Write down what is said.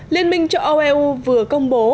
liên minh cho eu vừa công bố